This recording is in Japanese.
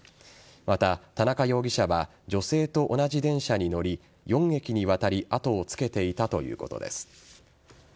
また田中容疑者は女性と同じ電車に乗り４駅にわたり後をつけていたということです。